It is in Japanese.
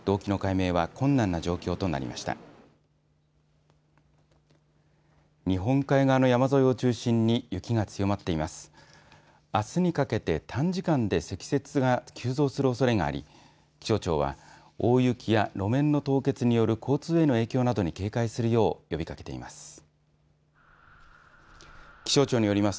明日にかけて短時間で積雪が急増するおそれがあり気象庁は大雪や路面の凍結による交通への影響などに警戒するよう呼び掛けています。